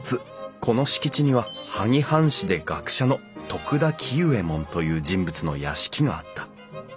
この敷地には萩藩士で学者の徳田喜右衛門という人物の屋敷があった。